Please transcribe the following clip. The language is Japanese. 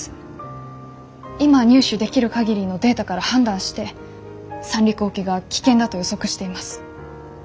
今入手できる限りのデータから判断して三陸沖が危険だと予測しています。